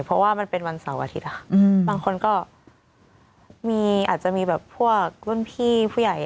เพราะว่ามันเป็นวันเสาร์อาทิตย์บางคนก็อาจจะมีแบบพวกรุ่นพี่ผู้ใหญ่